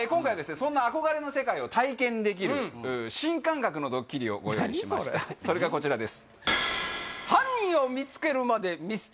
そんな憧れの世界を体験できる新感覚のドッキリをご用意しましたそれがこちらです